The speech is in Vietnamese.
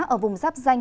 ở vùng giáp xanh